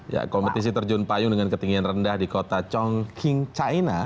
ya kompetisi terjun payung dengan ketinggian rendah di kota chong king china